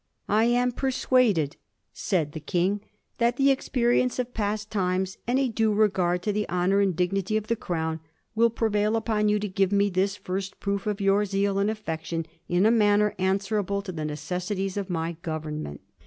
* I am persuaded,' said the King, * that the experience of past times, and a due regard to the honour and dignity of the Crown, will prevail upon you to give me this first proof of your zeal and affection in a manner answerable to the necessities of my Government.'